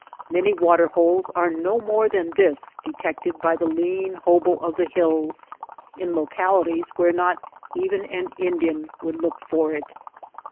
Many water holes are no more than this detected by the lean 27 / WATER TRAILS OF THE CERISO hobo of the hills in localities where not even an Indian would look for it.